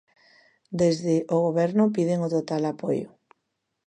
Desde o goberno piden o total apoio.